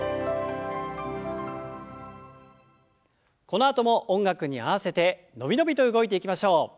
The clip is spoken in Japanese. このあとも音楽に合わせて伸び伸びと動いていきましょう。